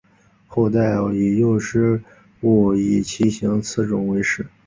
后代以右师戊以其行次仲为氏。